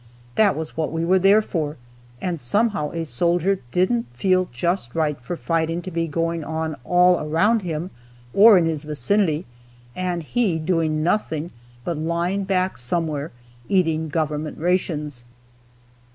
That was what we were there for, and somehow a soldier didn't feel just right for fighting to be going on all round him, or in his vicinity, and he doing nothing but lying back somewhere, eating government rations.